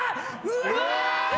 うわ！